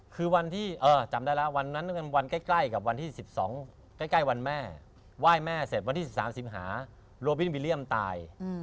คือวันที่จำได้แล้ววันนั้นเป็นวันใกล้กับวันที่๑๒ใกล้วันแม่ไหว้แม่เสร็จวันที่๑๓สิงหาโรบินบิเลียมตาย